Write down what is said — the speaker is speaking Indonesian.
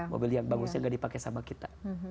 mobil yang bagusnya gak dipakai sama kita